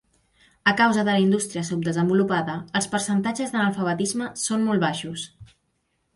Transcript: A causa de la indústria subdesenvolupada, els percentatges d'analfabetisme són molt baixos.